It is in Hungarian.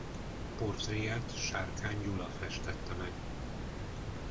Portréját Sárkány Gyula festette meg.